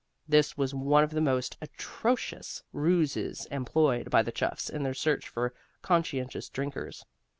This was one of the most atrocious ruses employed by the chuffs in their search for conscientious drinkers.